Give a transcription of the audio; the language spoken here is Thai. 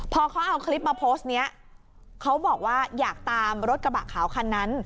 พอเขาเอาคลิปมาโพสต์นี้เขาบอกว่าอยากตามรถกระบะขาวคันนั้น